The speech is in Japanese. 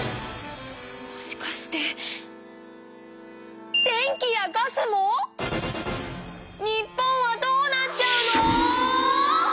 もしかして電気やガスも⁉日本はどうなっちゃうの！